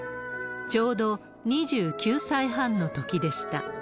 ちょうど２９歳半のときでした。